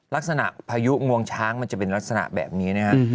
ลักษณะพายุงวงช้างมันจะเป็นลักษณะแบบนี้นะครับ